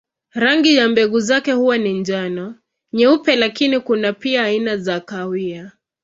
Rangi ya mbegu zake huwa ni njano, nyeupe lakini kuna pia aina za kahawia.